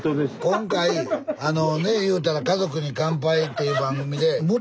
今回あのね言うたら「家族に乾杯」っていう番組で。